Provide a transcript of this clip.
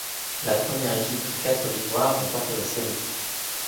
La première équipe à quatre victoires remporte la série.